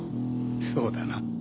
そうだな？